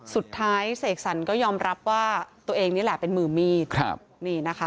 สุดท้ายเสกสรรก็ยอมรับว่าตัวเองนี่แหละเป็นมือมีด